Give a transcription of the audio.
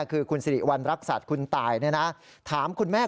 คือคุณสิริวัณรักษัตริย์คุณตายถามคุณแม่